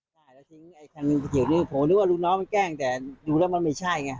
ผมนึกว่าลูกน้องแกล้งแต่ดูแล้วมันไม่ใช่ไง